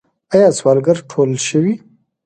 آیا سوالګر ټول شوي؟